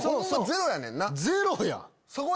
ゼロやん！